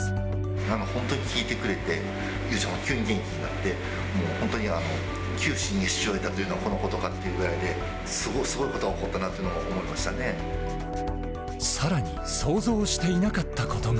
なんか本当に効いてくれて、ゆうちゃんも急に元気になって、もう本当に九死に一生を得たというのはこのことかっていうくらいで、すごいことが起こったなと思さらに想像していなかったことが。